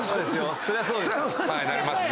そりゃそうです。